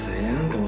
t membantu bangku